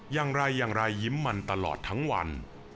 อย่างไรยิ้มมันตลอดทั้งวัน